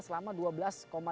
sebelas lima tahun atau lulus sma